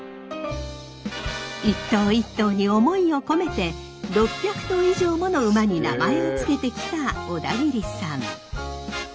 一頭一頭に思いを込めて６００頭以上もの馬に名前を付けてきた小田切さん。